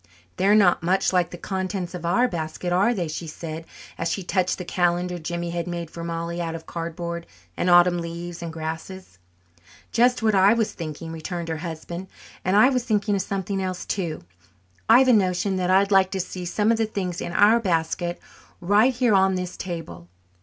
"They're not much like the contents of our basket, are they?" she said, as she touched the calendar Jimmie had made for Mollie out of cardboard and autumn leaves and grasses. "Just what I was thinking," returned her husband, "and I was thinking of something else, too. I've a notion that I'd like to see some of the things in our basket right here on this table."